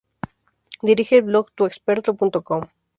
Dirige el blog tuexperto.com.